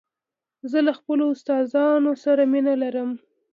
زه له خپلو استادانو سره مینه لرم.